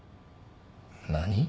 何？